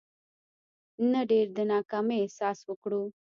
نه ډېر د ناکامي احساس وکړو.